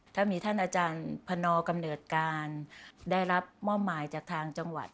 ถ้ามีท่านอาจารย์พนกำเนิดการได้รับมอบหมายจากทางจังหวัด